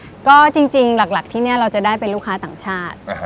แล้วก็จริงหลักที่นี่เราจะได้เป็นลูกค้าต่างชาติ